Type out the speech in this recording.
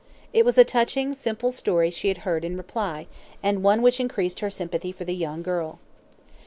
It was a touching, simple story she heard in reply, and one which increased her sympathy for the young girl.